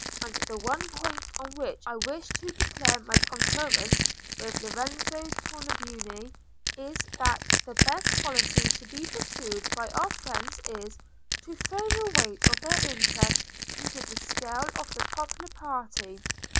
And the one point on which I wish to declare my concurrence with Lorenzo Tornabuoni is, that the best policy to be pursued by our friends is, to throw the weight of their interest into the scale of the popular party.